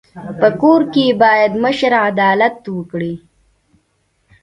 په کور کي بايد مشر عدالت وکړي.